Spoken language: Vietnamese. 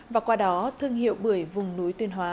và qua đó thương hiệu bưởi vùng núi tuyên hóa